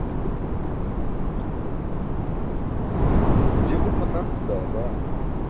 je buṭ matʰan cum dayaba